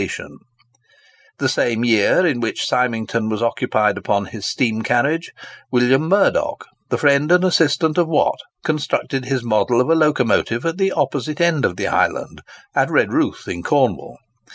[Picture: Section of Murdock's Model] The same year in which Symington was occupied upon his steam carriage, William Murdock, the friend and assistant of Watt, constructed his model of a locomotive at the opposite end of the island—at Redruth in Cornwall.